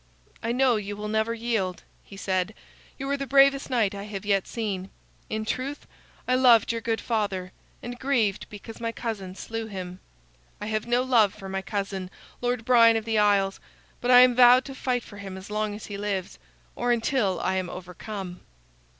"I know you will never yield," he said. "You are the bravest knight I have yet seen. In truth, I loved your good father, and grieved because my cousin slew him. I have no love for my cousin, Lord Brian of the Isles, but I am vowed to fight for him as long as he lives, or until I am overcome."